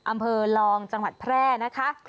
อำเภอลองจังหวัดแพร่นะคะ